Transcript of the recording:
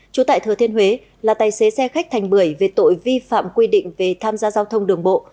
trú tại thừa thiên huế là tài xế xe khách thành bưởi về tội vi phạm quy định về tham gia giao thông đường bộ